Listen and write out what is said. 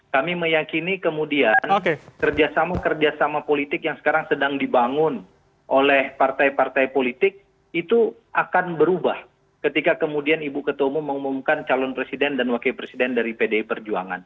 kami meyakini kemudian kerjasama kerjasama politik yang sekarang sedang dibangun oleh partai partai politik itu akan berubah ketika kemudian ibu ketua umum mengumumkan calon presiden dan wakil presiden dari pdi perjuangan